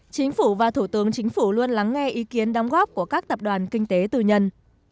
chính phủ và thủ tướng chính phủ luôn lắng nghe ý kiến đóng góp của các tập đoàn kinh tế tư nhân